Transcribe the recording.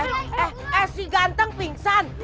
eh eh eh si ganteng pingsan